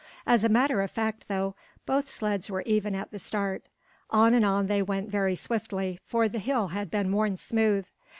As a matter of fact, though, both sleds were even at the start. On and on they went very swiftly, for the hill had been worn smooth.